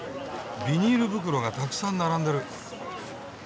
ビニール袋がたくさん並んでる。